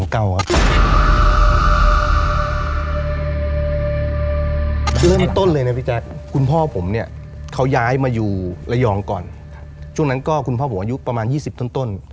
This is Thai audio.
คุณพ่อผมเนี่ยเขาย้ายมาอยู่ระยองก่อนช่วงนั้นก็คุณพ่อผมอายุประมาณ๒๐ต้น